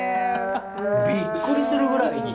びっくりするぐらいに！